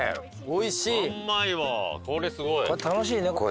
おいしい！